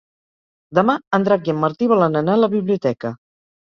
Demà en Drac i en Martí volen anar a la biblioteca.